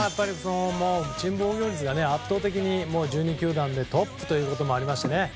チーム防御率が圧倒的に１２球団でトップということもありまして。